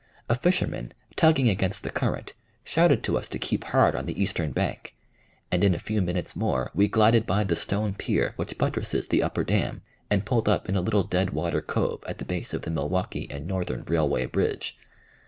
A fisherman, tugging against the current, shouted to us to keep hard on the eastern bank, and in a few minutes more we glided by the stone pier which buttresses the upper dam, and pulled up in a little dead water cove at the base of the Milwaukee and Northern railway bridge.